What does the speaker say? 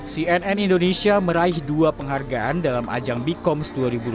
cnn indonesia meraih dua penghargaan dalam ajang bikoms dua ribu dua puluh